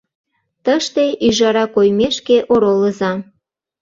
Тыште ӱжара коймешке оролыза.